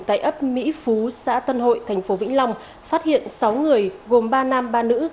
tại ấp mỹ phú xã tân hội tp vĩnh long phát hiện sáu người gồm ba nam ba nữ